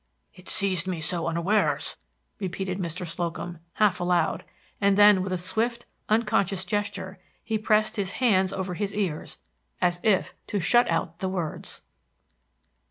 "_ "It seized me so unawares!" repeated Mr. Slocum, half aloud; and then with a swift, unconscious gesture, he pressed his hands over his ears, as if to shut out the words.